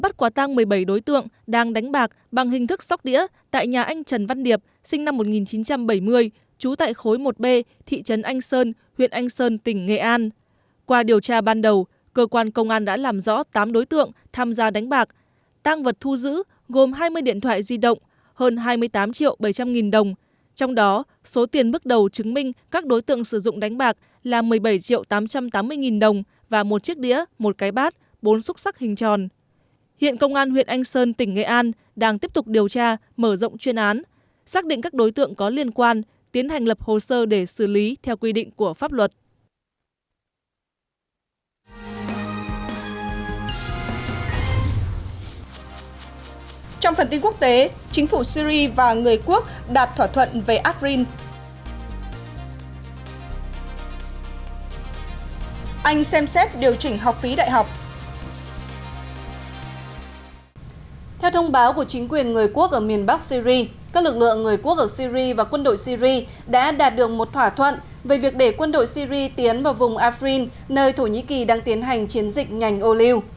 trong báo của chính quyền người quốc ở miền bắc syri các lực lượng người quốc ở syri và quân đội syri đã đạt được một thỏa thuận về việc để quân đội syri tiến vào vùng afrin nơi thổ nhĩ kỳ đang tiến hành chiến dịch nhành ô liu